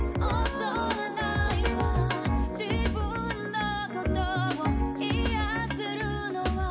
「自分のことを癒せるのは」